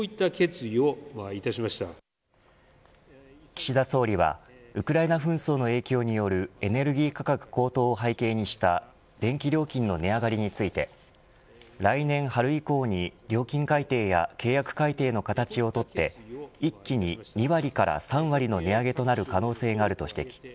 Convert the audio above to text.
岸田総理はウクライナ紛争の影響によるエネルギー価格高騰を背景にした電気料金の値上がりについて来年春以降に料金改定や契約改定の形をとって一気に２割から３割の値上げとなる可能性があると指摘。